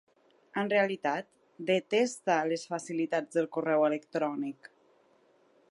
En realitat, detesta les facilitats del correu electrònic.